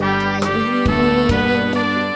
เพราะเธอชอบเมือง